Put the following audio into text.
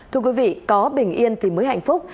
thưa quý vị có bình yên thì mới hạnh phúc